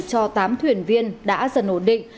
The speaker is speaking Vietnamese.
cho tám thuyền viên đã dần ổn định